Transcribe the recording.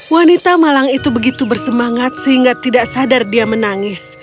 wanita malang itu begitu bersemangat sehingga tidak sadar dia menangis